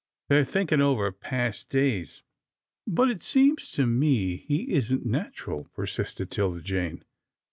They're think ing over past days." " But it seems to me he isn't natural," persisted 'Tilda Jane.